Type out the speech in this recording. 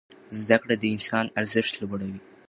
زده کړه د انسان ارزښت لوړوي.